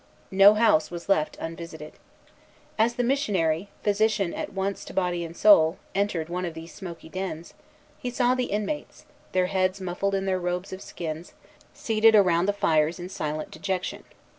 No house was left unvisited. As the missionary, physician at once to body and soul, entered one of these smoky dens, he saw the inmates, their heads muffled in their robes of skins, seated around the fires in silent dejection.